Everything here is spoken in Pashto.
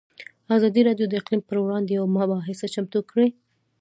ازادي راډیو د اقلیم پر وړاندې یوه مباحثه چمتو کړې.